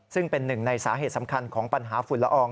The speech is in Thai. ซึ่งเป็นหนึ่งในสาเหตุสำคัญของปัญหาฝุ่นละออง